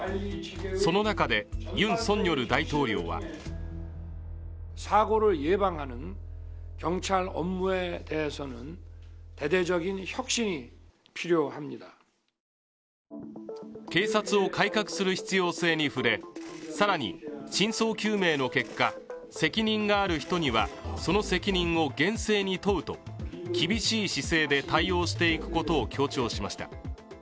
その中でユン・ソンニョル大統領は警察を改革する必要性に触れ、更に真相究明の結果、責任がある人にはその責任を厳正に問うと厳しい姿勢で対応していくことを強調しました。